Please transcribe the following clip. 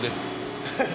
ハハハ。